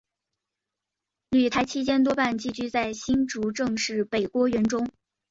旅台期间多半寄居在新竹郑氏北郭园中。